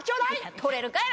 取れるかい！